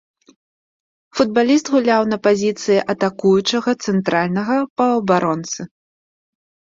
Футбаліст гуляў на пазіцыі атакуючага цэнтральнага паўабаронцы.